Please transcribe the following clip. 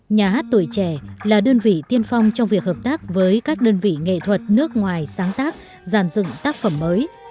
nhà hát tuổi trẻ là đơn vị tiên phong trong việc hợp tác với các đơn vị nghệ thuật nước ngoài sáng tác giàn dựng tác phẩm mới